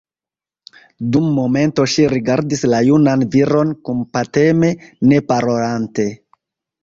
Dum momento ŝi rigardis la junan viron kompateme, ne parolante.